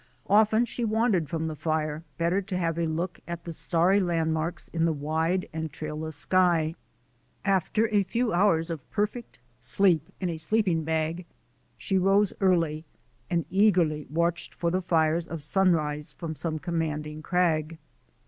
Often she wandered from the fire, better to have a look at the starry landmarks in the wide and trail less sky. After a few hours of perfect sleep in a sleeping bag she rose early and eagerly watched for the fires of sunrise from some commanding crag.